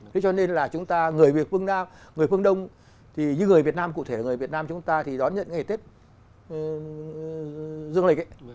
thế cho nên là chúng ta người việt phương nam người phương đông thì những người việt nam cụ thể là người việt nam chúng ta thì đón nhận ngày tết dương lịch ấy